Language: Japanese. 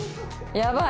やばい。